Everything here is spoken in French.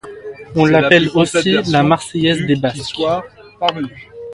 On l'appelle aussi la Marseillaise des Basques.